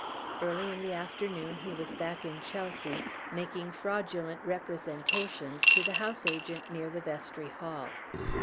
Early in the afternoon he was back in Chelsea, making fraudulent representations to the house agent near the Vestry Hall.